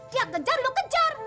dia kejar lu kejar